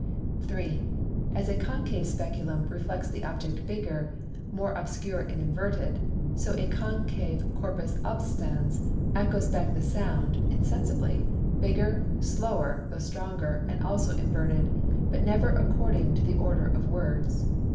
3. As a Concave Speculum reflects the Object bigger, more obscure and Inverted: So a Concave Corpus Obstans ecchoes back the Sound (insensibly) bigger, slower (though stronger) and also inverted; but never according to the order of Words.